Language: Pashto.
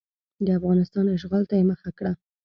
د افغانستان اشغال ته یې مخه کړه.